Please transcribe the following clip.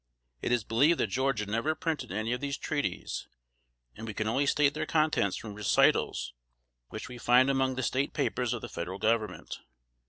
It is believed that Georgia never printed any of these treaties; and we can only state their contents from recitals which we find among the State papers of the Federal Government.